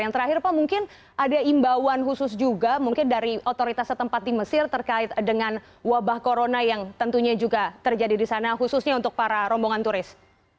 yang terakhir pak mungkin ada imbauan khusus juga mungkin dari otoritas setempat di mesir terkait dengan wabah corona yang tentunya juga terjadi di sana khususnya untuk para rombongan turis